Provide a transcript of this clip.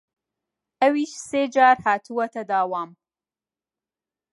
ئەویش سێ جار هاتووەتە داوام